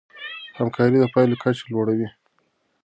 همکاري د پايلو کچه لوړوي.